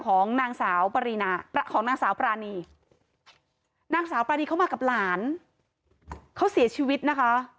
ของนางสาวปรานีเข้ามากับหลานเขาเสียชีวิตนะคะ